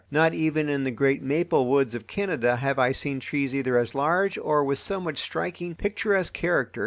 Not even in the great maple woods of Canada have I seen trees either as large or with so much striking, picturesque character.